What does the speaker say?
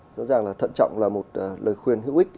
rõ ràng là thận trọng là một lời khuyên hữu ích